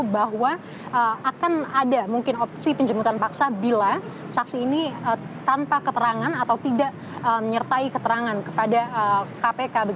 bahwa akan ada mungkin opsi penjemputan paksa bila saksi ini tanpa keterangan atau tidak menyertai keterangan kepada kpk